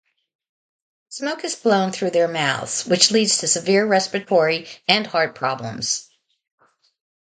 Smoke is blown through their mouths, which leads to severe respiratory and heart problems.